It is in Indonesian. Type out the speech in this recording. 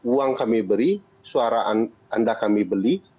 uang kami beri suara anda kami beli